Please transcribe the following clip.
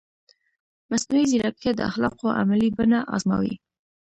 مصنوعي ځیرکتیا د اخلاقو عملي بڼه ازموي.